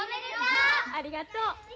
ありがとう。